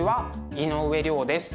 井上涼です。